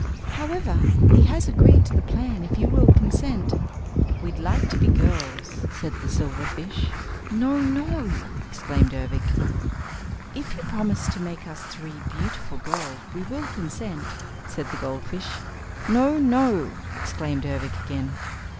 However, he has agreed to the plan if you will consent." "We'd like to be girls," said the silverfish. "No, no!" exclaimed Ervic. "If you promise to make us three beautiful girls, we will consent," said the goldfish. "No, no!" exclaimed Ervic again.